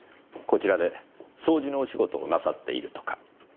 こちらで掃除のお仕事をなさっているとか。